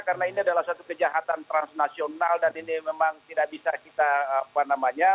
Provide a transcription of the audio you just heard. karena ini adalah satu kejahatan transnasional dan ini memang tidak bisa kita apa namanya